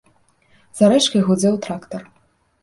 За рэчкай гудзеў трактар.